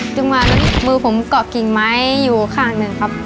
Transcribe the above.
จังหวะนั้นมือผมเกาะกิ่งไม้อยู่ข้างหนึ่งครับ